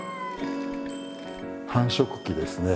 繁殖期ですね。